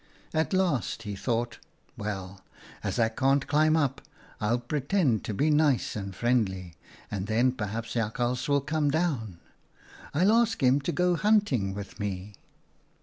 At last he thought, 'Well, as I can't climb up, I'll pre tend to be nice and friendly, and then perhaps Jakhals will come down. I'll ask him to go hunting with me.'"